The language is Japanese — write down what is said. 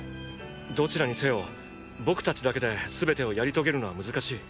どちらにせよ僕たちだけで全てをやり遂げるのは難しい。